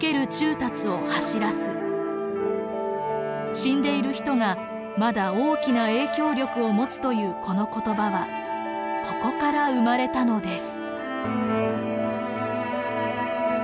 死んでいる人がまだ大きな影響力を持つというこの言葉はここから生まれたのです。